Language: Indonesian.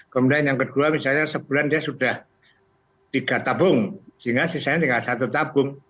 kemudian yang kedua misalnya sebulan dia sudah tiga tabung sehingga sisanya tinggal satu tabung